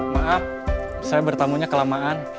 maaf saya bertamunya kelamaan